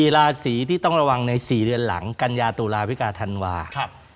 ราศีที่ต้องระวังใน๔เดือนหลังกัญญาตุลาวิกาธันวา